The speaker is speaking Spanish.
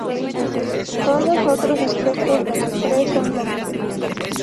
Todos otros aspectos de los tres son lo mismo.